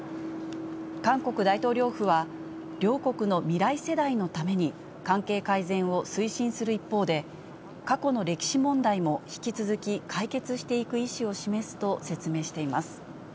韓国大統領府は、両国の未来世代のために、関係改善を推進する一方で、過去の歴史問題も引き続き解決していく意思を示すと説明しています。